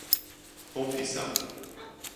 confissão